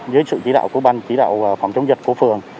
dưới sự chỉ đạo của ban chỉ đạo phòng chống dịch của phường